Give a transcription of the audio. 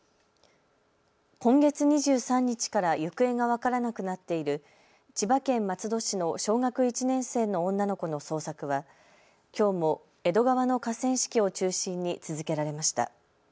今月２３日から行方が分からなくなっている千葉県松戸市の小学１年生の女の子の捜索はきょうも江戸川の河川敷を中心に続けられました。